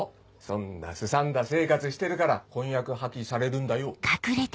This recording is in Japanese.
そんな荒んだ生活してるから婚約破棄されるんだよ。